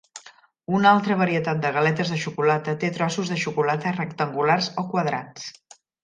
Una altra varietat de galetes de xocolata té trossos de xocolata rectangulars o quadrats.